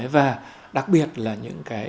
và đặc biệt là những cái